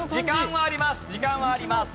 時間はあります。